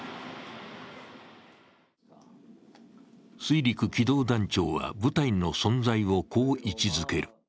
水陸機動団長は部隊の存在をこう位置づける。